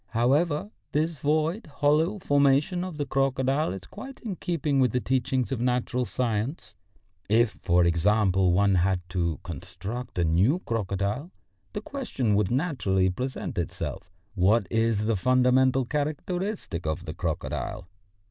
However, this void, hollow formation of the crocodile is quite in keeping with the teachings of natural science. If, for instance, one had to construct a new crocodile, the question would naturally present itself. What is the fundamental characteristic of the crocodile?